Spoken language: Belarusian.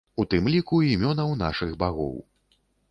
У тым ліку імёнаў нашых багоў.